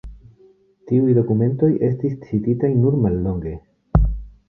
Tiuj dokumentoj estis cititaj nur mallonge.